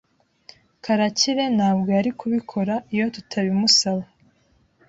Karakire ntabwo yari kubikora iyo tutabimusaba.